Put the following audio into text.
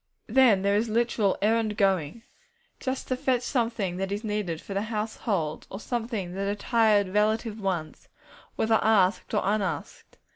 Then there is literal errand going, just to fetch something that is needed for the household, or something that a tired relative wants, whether asked or unasked.